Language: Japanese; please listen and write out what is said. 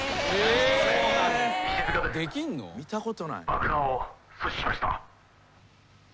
爆弾を阻止しました」